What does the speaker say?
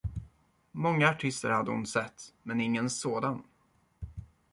Många artister hade hon sett, men ingen sådan.